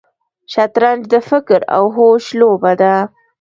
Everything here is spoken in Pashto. شطرنج د فکر او هوش لوبه ده.